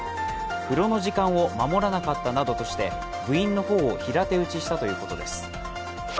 風呂の時間を守らなかったなどとして部員の頬を平手打ちしたということです。